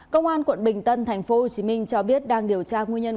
công an quận bình tân thành phố hồ chí minh cho biết đang điều tra nguyên nhân